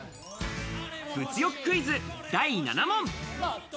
物欲クイズ第７問。